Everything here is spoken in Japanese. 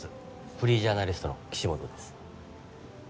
フリージャーナリストの岸本です。